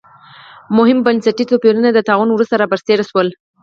مهم بنسټي توپیرونه د طاعون وروسته را برسېره شول.